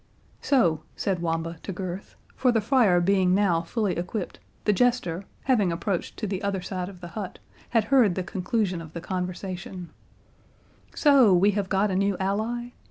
"So," said Wamba to Gurth,—for the friar being now fully equipped, the Jester, having approached to the other side of the hut, had heard the conclusion of the conversation,—"So we have got a new ally?